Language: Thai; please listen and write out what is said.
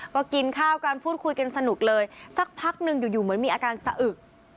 ก็กินข้าวกันพูดคุยกันสนุกเลยสักพักหนึ่งอยู่เหมือนมีอาการสะอึก